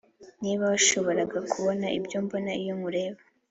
niba washoboraga kubona ibyo mbona iyo nkureba,